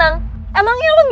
kalau yang banyak lebih